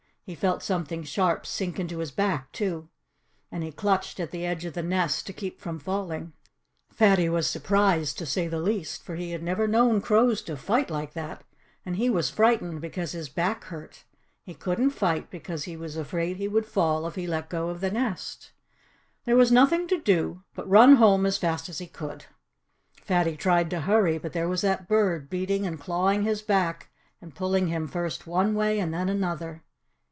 He felt something sharp sink into his back, too. And he clutched at the edge of the nest to keep from falling. Fatty was surprised, to say the least, for he had never known crows to fight like that. And he was frightened, because his back hurt. He couldn't fight, because he was afraid he would fall if he let go of the nest. There was nothing to do but run home as fast as he could. Fatty tried to hurry; but there was that bird, beating and clawing his back, and pulling him first one way and then another.